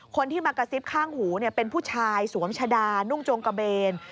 คนที่มากระซิบข้างหูเป็นผู้ชายสวมชะดานุ่งจงกระเบน